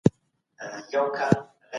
کوربه هیواد سیاسي بندیان نه ساتي.